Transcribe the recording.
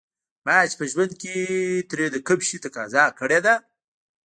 ما چې په ژوند کې ترې د کوم شي تقاضا کړې ده.